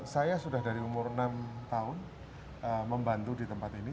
saya sudah dari umur enam tahun membantu di tempat ini